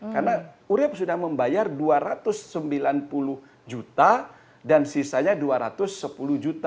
karena urip sudah membayar rp dua ratus sembilan puluh juta dan sisanya rp dua ratus sepuluh juta